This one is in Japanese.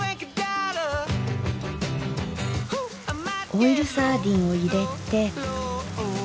オイルサーディンを入れて。